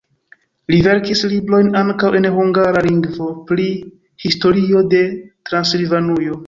Li verkis librojn ankaŭ en hungara lingvo pri historio de Transilvanujo.